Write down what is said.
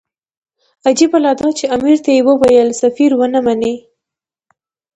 عجیبه لا دا چې امیر ته یې وویل سفیر ونه مني.